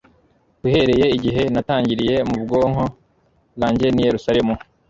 uhereye igihe natangiriye mu bwoko bwanjye n i Yerusalemu